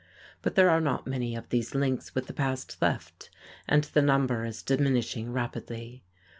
But there are not many of these links with the past left, and the number is diminishing rapidly.